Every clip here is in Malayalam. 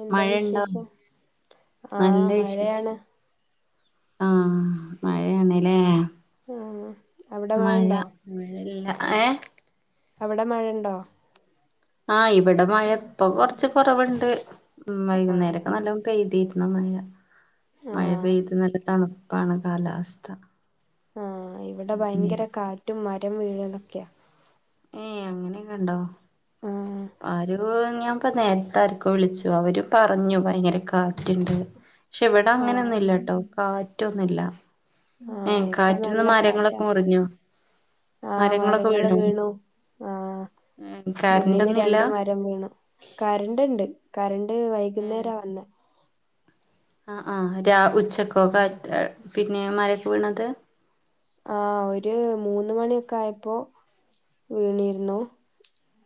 എന്താ മഴണ്ടോ വിശേഷം നല്ല ആഹ് മഴയാണ് വിശേഷം ആഹ്‌ മഴേണ്ലേ ആഹ് അവിടെ മഴ മഴണ്ടോ മഴല്ലഏഹ്‌ അവടെ മഴണ്ടോ ആഹ് ഇവിടെ മഴ പ്പൊ കൊർച്ച് കൊറവ്ണ്ട്, ഉം ആഹ് വൈകുന്നേരൊക്കെ നല്ലോ പെയ്തിരുന്ന മഴ മഴ ആഹ് പെയ്ത് നല്ല തണുപ്പാണ് കാലാവസ്ഥ ആഹ ഇവിടെ പിന്നെ ഭയങ്കര കാറ്റും മരം വീഴുകളൊക്കെയാ ഏയ് അങ്ങനെയൊക്കെ ഉണ്ടോ ആ ആര ഞാൻ ഇപ്പ നേരത്തെ ആർക്കും വിളിച്ചു അവരും പറഞ്ഞു ഭയങ്കര കാട്ടുണ്ട് പക്ഷെ ഇവിടെ ആഹ് അങ്ങനെയൊന്നുംല്ല ട്ടോ കാറ്റൊന്നുമില്ല ആഹ ഏ ഇവിടെ കാറ്റിന്ന് നല്ല കാട്ടാ മരങ്ങളൊക്കെ മുറിഞ്ഞോ ആ് മരങ്ങളൊക്കെ മരങ്ങള്ൾ വീണോ വീണു ആഹ മുന്നില് കറന്റൊന്നുല്ല രണ്ട് മര വണ കറണ്ട് ഉണ്ട് കറണ്ട് വൈകുന്നേര വന്നത് ആ ആ ഉച്ചക്കോ കാ പിന്നെ മരൊക്കെ വീണത് ആ ഒരു മൂന്ന് മണിയൊക്കെ ആയപ്പോൊ വീണിരുന്നു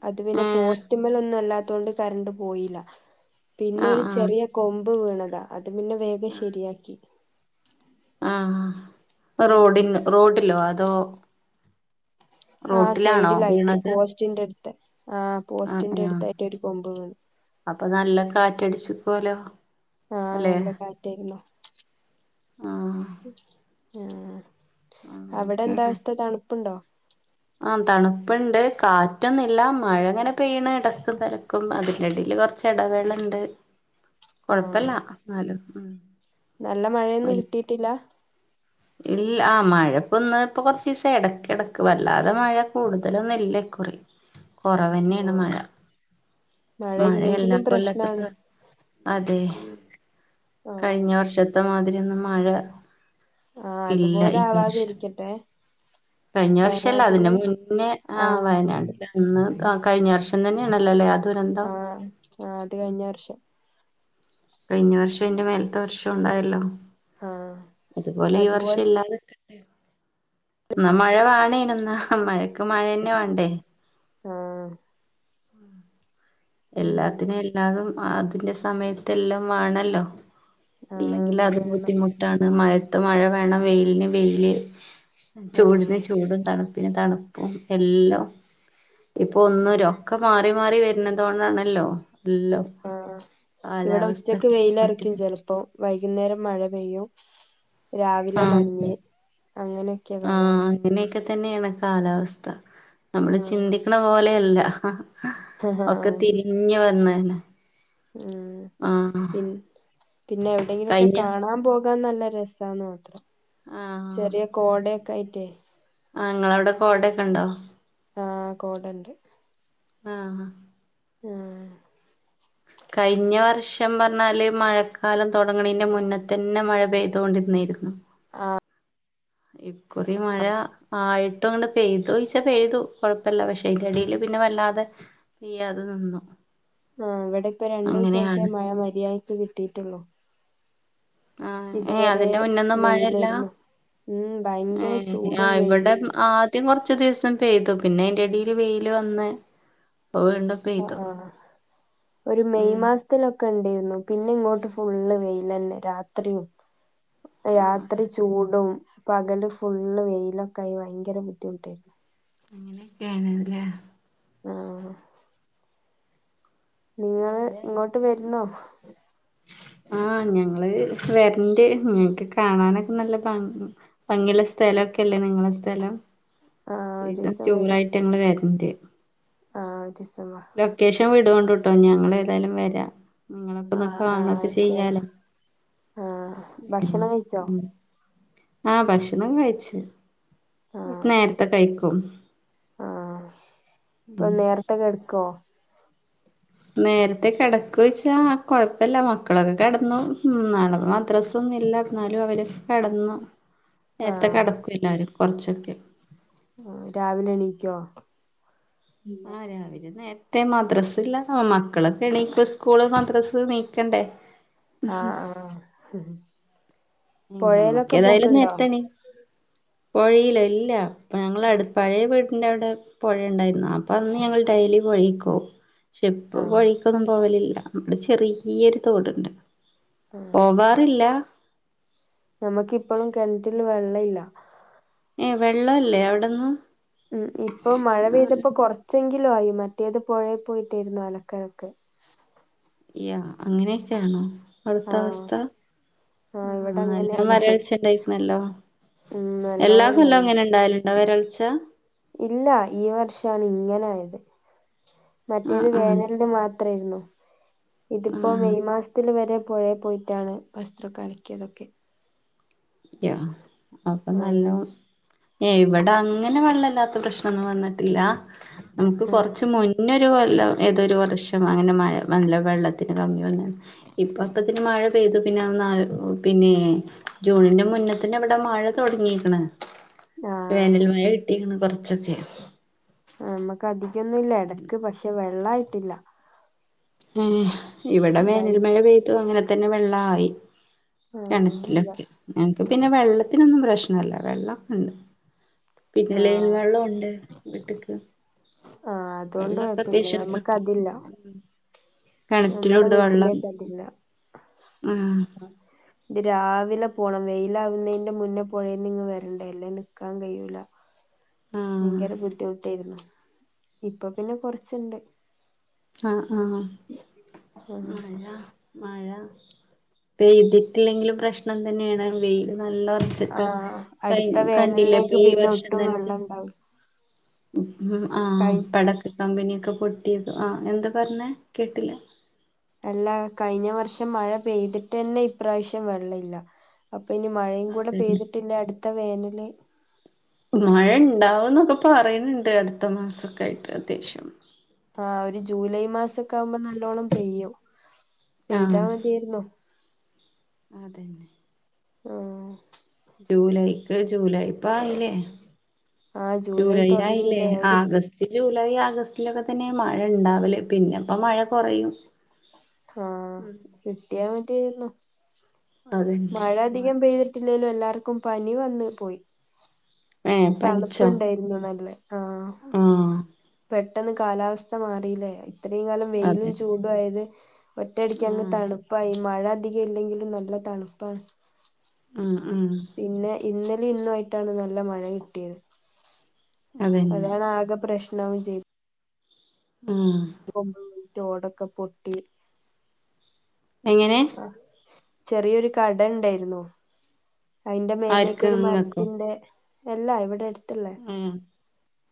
അത് പിന്നെ ഏഹ് പോസ്റ്റമ്മൽ ഒന്നും അല്ലാത്തൊണ്ട് കറണ്ട് പോയില്ല പിന്നെ ഒരു ആഹ് ചെറിയ കൊമ്പ് വീണതാ അത് പിന്നെ വേഗം ശരിയാക്കി ആഹ ആഹ് റോഡി റോഡിലോ അതോ ആ റോട്ടിലാണോ സൈഡിലായിട്ട് വീണത് പോസ്റ്റിന്റെ അടുത്ത് ആ ആഹ് പോസ്റ്റിന്റെ ആഹ് അടുത്തായിട്ട് ഒരു കൊമ്പ് വീു അപ്പൊ നല്ല കാറ്റടിച്ചു പോലോ ആഹ നല്ല കാറ്റായിരുന്നുോ ആഹ് ആഹ അവിടെ അങ്ങനെയൊക്കെ എന്ത അവസ്ഥ തണുപ്പുണ്ടോ ആ തണുപ്പണ്ട് കാറ്റൊന്നുംില്ല മഴ ഇങ്ങനെ പെയ്യണ ഇടത്ത് തിലക്കും അതിന്റെറെടിൽ കുറച്ച് ചടവെളുണ്ട് [inaudible] കൊഴപ്പില്ല ആഹ് എന്നാലും ഉ നല്ല മഴയൊന്നും കിട്ടിട്ടില്ല ഇല്ല ആ മഴ പൊന്ന ഇപ്പൊ കൊറച്ച ദിവസം ഇടക്ക് ഇട വല്ലാതെ മഴ കൂടുതലൊന്നും ഇല്ല കുറി കൊറവ തന്നെയാണ് ആഹ് മഴ മഴ മഴയല്ല ഇല്ലെങ്കിലും പ്രശ്നാണ് കൊല്ലത്തക്ക അതെ ആഹ് കഴിഞ്ഞ വർഷത്തെ മാതിരി ഒന്ന് മഴ ആ ഇല്ല അതുപോലെ ഈ വർഷം ആവാതിെരിക്കട്ടെ കഴിഞ്ഞ വർഷല്ല അതിന്റെ മുന്നേ ആ ആഹ് വയനാട് ചന്ന് കഴിഞ്ഞ വർഷം തന്നെയ ആണല്ലോല്ലേ അത് തുരന്തം ആ അത് കഴിഞ്ഞ വർഷം കഴിഞ്ഞ വർഷം എന്റെ മേലത്തെ വർഷം ഉണ്ടായല്ലോ ആഹ് അതുപോലെ ഈ വർഷം ഇല്ലാതെ എന്നാ മഴ വേണേനന്നാ മഴക്ക് മഴ തന്നെ വേണ്ടേ ആഹ ഉം എല്ലാത്തിനും എല്ലാതും അതിന്റെ സമയത്ത് എല്ലാം വേണല്ലോ ആഹ് ഇല്ലെങ്കിൽ അത് വേണം ബുദ്ധിമുട്ടാണ് മഴത്ത മഴ വേണം വെയിലിന് വെയില് ചൂടന് ആഹ് ചൂടും തണുപ്പിന് തണുപ്പും എല്ലാം ഇപ്പൊ ഒന്നര അത് ഒക്കെ മാറി മാറി വരുന്നതുക കൊണ്ടാണല്ലോ അല്ലോ ആ ഇവിടെ ഉച്ചക്ക് വെയില മാറ്റം ഇറക്കും ചെപ്പോ വൈകുന്നേരം മഴ പെയ്യും രാവിലെ ആഹ് മഞ്ഞ് അങ്ങനെയൊക്കെ കാലാവസ്ഥ അന്നെയൊക്കെ തന്നെയാണ് കാലാവസ്ഥ നമ്മള് ആഹ് ചിന്തിക്കണ പോലെയല്ല ആഹ് ഒക്കെ ആഹ് തിരി ഇഞ്ഞ വന്നന്ന ഉം പി പിന്നെ എവിടെങ്കിലുംൊക്കെ കഴിഞ്ഞ കാണാൻ പോകാൻ നല്ല രസ മാത്രം ആഹ് ചെറിയ കോടയൊക്കെ ആയിട്ടേ ആ നിങ്ങളവിടെ കോടയൊക്കെ ഉണ്ടോ ആ് കോടണ്ട് ആഹ ആ ആഹ കഴിഞ്ഞ വർഷം പറഞ്ഞാല് മഴക്കാലം തുടങ്ങണതിന്റെ മുന്നേ തന്നെ മഴ പെയ്തുക കൊണ്ടിരുന്നായിരുന്നു ആ ഇക്കുറി മഴ ആയിട്ടും ങ്ങട്ട് പെയ്തോയ്ച്ച പെയ്തു കൊഴപ്പല്ല പക്ഷെ അതിന്റെടീൽ പിന്നെ വല്ലാതെ പെയ്യാതെ നിന്നു ആ ഇവിടെപ്പൊ രണ്ടു ദിവസമായിട്ടെ അങ്ങനെയാണ് മഴ മര്യാദക്ക് കിട്ടിയിട്ടുള്ളു ആ ഏ അതിന്റെ മുന്നൊന്നും മഴയില്ല വെയിലായിരുന്നു ഉം ഏ ഭയങ്കര ആ ചൂടും ഇവിടം വെയിലായിരുന്നു ആ ദ്യം കൊറച്ച് ദിവസം പെയ്തു പിന്നെ അയിന്റെടീൽ വെയില് വന്ന് പ്പൊ വീണ്ടും അ പെയ്തു ആ ഒരു മെയ് ഉം മാസ് ത്തിലൊക്കെണ്ടെയ്രുന്നു പിന്നെ ഇങ്ങോട്ട് ഫുള്ള് വെയിലന്നെ രാത്രിയും ആഹ് രാത്രി ചൂടും പകല് ഫുള്ള് വെയിലൊക്കായി ഭയങ്കര ബുദ്ധിമുട്ടേരുന്നു അങ്ങനൊക്കേണ് ലേ ആ നിങ്ങള് മഴേ ഇങ്ങോട്ട് ഉം വരുന്നോ [inaudible] ആ ഞങ്ങള് വരണ്ട് ഞങ്ങക്ക് കാണാനൊക്കെ നല്ല ഭ ഭംഗിള്ള സ്ഥേലൊക്കല്ലേ നിങ്ങള സ്ഥലം ആഹ് ഇത് ഒരീസം ടൂറായിട്ട് ഞങ്ങള് വരണ്ട് ആ ഒരീസം വാ ലൊക്കേഷൻ വിടോണ്ടുട്ടോ ഞങ്ങളേതായാലും വരാ നിങ്ങളൊക്കെ ഒന്ന് ആഹ് കാണൊക്കെ ആഹ് ചെ ചെയ്യാലൊ ആഹ് ഭക്ഷണം കഴിച്ചോ ആ ഭക്ഷണം കഴിച്ച് നേരത്തെ കഴിക്കും ആ ഇപ്പൊ ഉം നേരത്തെ ക്കെടക്കോ നേരത്തെ കെടക്കോയ്ച്ചാ കൊഴപ്പല്ല മക്കളൊക്കെ കിടന്നു നാളെ പ്പൊ മദ്രസ പ്പൊന്നില്ലാ ന്നാലും അവരൊക്കെ കെടന്നു [inaudible] നേരത്തെ കെടക്കു എല്ലാരും കൊറച്ചൊക്കെ ഉം രാവിലെ എണീക്കോ? ആ രാവിലെ നേര ത്തെ മദ്രസ്സ്ല്ല മക്കളൊക്കെ എണീക്കും സ്കൂള് മദ്രസ് നീക്കണ്ടേ? ആ ആ ആ ഉം നമ്മക്കേതായാലും നേരത്തെ എണീ പൊഴയിലല്ലാ പ്പൊഞങ്ങളട് പഴയ വീടിന്റെ അവിടെ പുഴ ഉണ്ടായിരുന്നു അപ്പൊ അന്ന് ഞങ്ങൾ ഡെയ്ലി പൊഴേക്ക് പോവും ക്ഷെ ഇപ്പൊ ആഹ് പൊഴീക്കൊന്നും പോവലില്ല വിടെ ചെറിയൊരു തോടുണ്ട് പോവാറില്ല നമുക്കിപ്പൊളും കിണറ്റില് വെള്ളയില്ല ഏ വെള്ളവില്ലേ അവിടൊന്നും ഉം ഇപ്പൊ മഴ പെയ്തപ്പോ കൊറച്ചെങ്കിലും ആയി മറ്റേത് പൊഴയെ പോയിട്ടായിരുന്നു അലക്കലൊക്കെ യാ അങ്ങനൊക്കെയാണോ ആഹ് അവിടത്തവസ്ഥ ആഹ് ആഹാ ഇവിടെ നല്ലം അങ്ങനെയാണ് വരൾച്ച ണ്ടായിരിക്കണല്ലോ ഉം എല്ലാ നല്ലോണം കൊല്ലം ഇണ്ടായിന് ങ്ങനെണ്ടാവല് ണ്ടൊ വരൾച്ച? ഇല്ല ഈ വർഷാണ് ഇങ്ങനെ ആയത് മറ്റേത് ആഹ് ആഹ് വേനലിന് മാത്രേയുള്ളൂ ഇതിപ്പോ ആഹ് മെയ് മാസത്തില് വരെ പുഴെ പോയിട്ടാണ് വസ്ത്രൊക്കെ അലക്കിയതൊക്കെ യാ അപ്പൊ നല്ല ആഹ് വെ ഏ ഇവിടങ്ങനെ വെള്ളല്ലാത്ത പ്രശ്നൊന്നും വന്നിട്ടില്ല നമുക്ക് ആഹ് കൊറച്ച് മുന്നൊരു കൊല്ലം ഏതൊ ഒരു വർഷം അങ്ങനെ മഴ നല്ല വെള്ളത്തിന് കമ്മി വന്നു ഇപ്പൊ അപ്പത്തിന് മഴ പെയ്തു പിന്നെ അന്ന് ആലോ ഒ പിന്നേ ജൂണിന്റെ മുന്ന തന്ന ഇവിടെ മഴ തുടങ്ങിയിരിക്കണ് ആഹ് വേനൽ മഴ കി ട്ടീക്കിണ് കുറച്ചൊക്കെ. നമ്മക്ക് അധികൊന്നുംല്ല എടക്ക് പക്ഷെ വെള്ളായിട്ടില്ല. ഉം ഇവിടെ ഭയ വേനൽ മഴ പെയ്തു അങ്ങനെ തന്നെ വെള്ള ആയി. ആഹ് അല്ല കെണറ്റിലൊക്കെ. ഞങ്ങക്ക് പിന്നെ വെള്ളത്തിനൊന്നും പ്രശ്നല്ല വെള്ളൊക്ക ഉണ്ട്. പിന്നെ ലൈൻ ആഹ് വെള്ളം ഉണ്ട്, വീട്ക്ക്. ആ അതുകൊണ്ട് കൊഴപ്പില്ല നമുക്ക് കുഴപ്പല്ല അത് ഇല്ല. ഉം നമ്മള കിണറ്റിലുണ്ട് വെള്ളം വീട്ടിലേക്കതില്ല. ആഹ് ഇത് രാവിലെ പോണം. വെയില ആവുന്നതിന്റെ മുന്നേ പുഴേന്ന്ങ്ങ് വരണ്ടേ അല്ലേ നിക്കാൻ കഴിയൂല. ആഹ് ഭയങ്കര ബുദ്ധിമുട്ടായിരുന്നു. ഇപ്പൊ പിന്നെ കൊറച്ചുണ്ട്. ആഹ് ആ മഴ, മഴ പെയ്തിട്ടില്ലെങ്കിലും പ്രശ്നം തന്നെണ്. വെയില് നല്ല വച്ചിട്ട് ആഹ് ക അടുത്ത കണ്ടില്ലേ ഇപ്പൊ വേനലിലേക്ക് ഈ പിന്നെ വർഷം ഒട്ടും തന്നെ, വെള്ളം ഇണ്ടാവില്ല ആ കഴി പടക്ക കമ്പനിയൊക്കെ പൊട്ടിയത്. ആ എന്താ പറഞ്ഞെ, കേട്ടില്ല. അല്ലാ കഴിഞ്ഞ വർഷം മഴ പെയ്തിട്ട് തന്നെ ഇപ്രാവശ്യം വെള്ളം ഇല്ല. അപ്പൊ ഇനി മഴയും കൂടെ അതന്നെ പെയ്തിട്ടില്ല അടുത്ത വേനല്, മഴ ഇണ്ടാവും ന്നൊക്കെ പറയുന്നുണ്ട് അടുത്ത മാസക്കായിട്ട് അത്യാവശ്യം. ആഹ് ഒരു ജൂലൈ മാസൊക്കെ ആകുമ്പോ നല്ലോണ്ണം പെയ്യും. പെയ്താ ആഹ് മതിയായിരുന്നു. അതന്നെ. ഉം. ജൂലൈക്ക് ജൂലൈ ഇപ്പ ആയില്ലേ. ആ ജൂലൈ ആയില്ലേ, തുടങ്ങിയില്ലേ ഒരു ആഗസ്റ്റ് ജൂലൈ ആഗസ്റ്റിലൊക്കെ തന്നെ മഴ ഉണ്ടാവല്. പിന്നെപ്പോ മഴ കുറയും. ആ ഉം കിട്ടിയാ മതിയായിരുന്നു. മഴ അധികം പെയ്തിട്ടില്ലെലും എല്ലാർക്കും പനി വന്ന് പോയി. ഏ പനിച്ചോ തണുപ്പുണ്ടായിരുന്നു നല്ലേ. ആ ആ പെട്ടന്ന് കാലാവസ്ഥ മാറിയില്ലേ ഇത്രയും കാലം വെയിലും അതെ ചൂടും ആയത്, ഒറ്റടിക്ക് ആ അങ്ങ് തണുപ്പായി, മഴ അധികം ഇല്ലെങ്കിലും നല്ല തണുപ്പാണ്. ഉം ഉം. പിന്നെ ഇന്നലെ ഇന്നു ആയിട്ടാണ് നല്ല മഴ കിട്ടിയത്. അതന്നെ അതാണ് ആകെ പ്രശ്നവും ചെയ്ത് ഉം. [unintelligible] ഓടൊക്കെ പൊട്ടി. എങ്ങനെ ആ ചെറിയൊരു കട ഉണ്ടായിരുന്നു. അതിന്റെ മേലേക്ക്‌ ആർക്ക് ഒരു നിങ്ങക്കോ മരത്തിന്റെ, അല്ലാ ഇവിടെ അടു തുള്ളേ ആ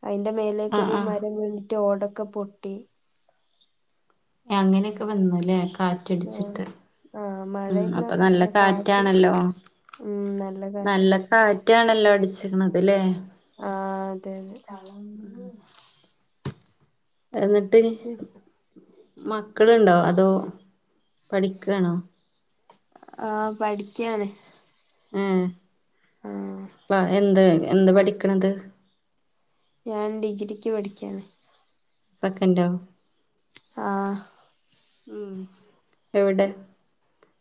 അതിന്റെ മേലേക്ക ആ ഒരു ആ മരം വീണിട്ട് ഓടക്കെ പൊട്ടി. അങ്ങനെക്കെ വന്നുല്ലേ കാ ആഹ് റ്റടിച്ചിട്ട് ആഹ് ഉം. മഴയില്ല അപ്പൊ നല്ല കാറ്റ് കാറ്റാണല്ലോ. ഉം നല്ല കാ നല്ല കാറ്റാണല്ലോ അടിച്ചിക്കണത് ലേ. ആ അതന്നെ. എന്നിട്ട് മക്കളുണ്ടോ അതോ പഠിക്കാണോ? ആ പഠിക്കാണ്. ഉം ആഹ് എന്ത് എന്ത് പഠിക്കണത്? ഞാൻ ഡിഗ്രിക്ക് പഠിക്കാണ്. സെക്കൻഡോ? ആഹ്. ഉം എവിടെ?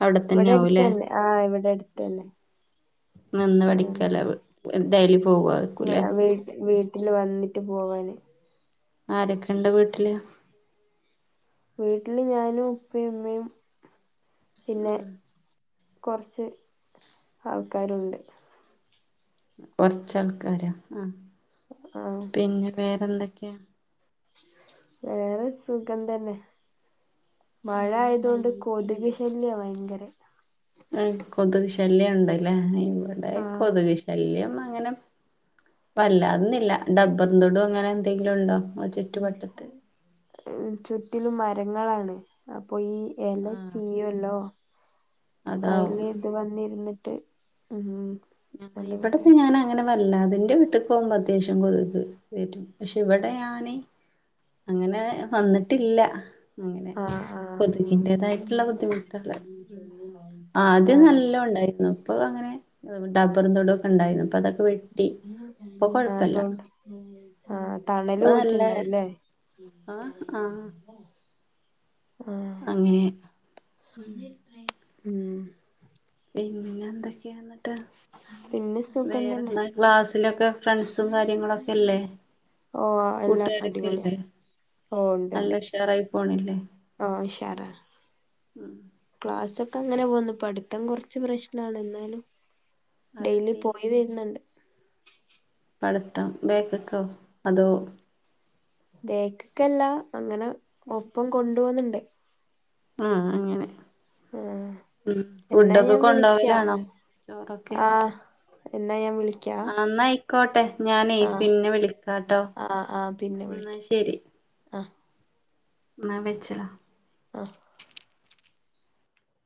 അടെത്തന്നെ ഇവിടെ ആകൂലേ, അടുത്തന്നെ ആഹ് ഇവിടെ അടുത്തന്നെ നിന്ന് പഠിക്കാല [unintelligible] ഡെയിലി പോവ. വെ വീ വീട്ടില് വന്നിട്ട് പോവാന്. ആരൊക്കെണ്ട് വീട്ടില്? വീട്ടില് ഞാനും ഉപ്പയും, ഉമ്മയും പിന്നെ ഉം കൊർച്ച് ആൾക്കാരുണ്ട്. കൊർച്ചാൾക്കാരൊ ആ. ആഹ്. പിന്നെ വേറെന്തൊക്കെയാ? വേറെ സുഖം തന്നെ. മഴ ആയതോണ്ട് കൊതുക് ശല്യം ഭയങ്കരെ. ഉം കൊതുക് ശല്യം ഉണ്ടല്ലേ ഇവിടെ ആഹ് കൊത്ക് ശല്യം അങ്ങനെവല്ലാതൊന്നില്ല ട ബർന്തൊടോ അങ്ങനെ എന്തെങ്കിലും ഇണ്ടോ? ചുറ്റിലും മരങ്ങളാണ് അപ്പൊ ഈ ആഹ് എലച്ചീയോല്ലോ അതാവും അയ്ല് ഇത് വന്നിര്ന്നിട്ട് ഉം. എന്നാ നല്ല ഇവടൊക്കെ വൃത്തിയായിട്ട് ഞാന് അങ്ങനെ വല്ലാതെ ഇന്റെ വീട്ട്ക്ക് പോവുമ്പോ അത്യാവശ്യം കൊതുക് വരും പക്ഷെ ഇവിടെയാന് അങ്ങനെ വന്നിട്ടില്ല. അങ്ങനെ ആഹ് ആഹ് കൊത്കി്ൻ്റെതായിട്ട്ള്ള ബുദ്ധിമുട്ട്കള് ഉം. ആദ്യം ആഹ് നല്ല ഉണ്ടായിരുന്നു ഇപ്പൊ അങ്ങനെ ടബറും തൊടും ഒക്കെ ഇ ണ്ടായിന്നു ഇപ്പൊ അതൊ [unintelligible] ആ തണല് ഇപ്പൊ നല്ല പോയിട്ട്ണ്ടാവൂല്ലേ? ആഹ് ആഹ് [unintelligible] ആഹ് അങ്ങനെ ഉം ഉം. പിന്നെ എന്തൊക്കെയാന്നിട്ട് പിന്നെ സുഖം തന്നെ വേറെന്താ ക്ലാസ്സിലൊക്കെ ഫ്രണ്ട്സും കാര്യങ്ങളൊക്കെല്ലേ ഓ എല്ലാം അടിപൊളിയാ കൂട്ടുകാരൊക്കെല്ലേ? നല്ല ഉഷാറായി പോണില്ലേ? ആ ഉഷാറാ. ക്ലാസൊക്കെ അങ്ങനെ പോവ്ന്നു പഠിത്തം കുറച്ച് പ്രശ്നാണ് എന്നാലും ഡെയ്ലി അതെന്തേ പോയി വര്ന്ന്ണ്ട്. പട്ത്തം ബേക്ക്ക്കോ അതോ? ബേക്ക്ക്കല്ല അങ്ങനെ ഒപ്പം കൊണ്ട് പോന്ന്ണ്ട്. ആഹ് അങ്ങനെ. ആഹ് ഉം എന്നാ ഫുഡൊക്കെ ഞാൻ കൊണ്ടോവ വിളിക്കാ ലാണോ ചോറൊക്കെ? ആഹ് എന്നാ ഞാൻ വിളി ആ എന്നായ്ക്കോട്ടെ ഞാനേ പിന്നെ വിളിക്കാട്ടോ ആഹ് ആഹ് പിന്നെ എന്നാ വിളിക്ക ശെരി. ആഹ് എന്നാ വെച്ചളാ. ആഹ്.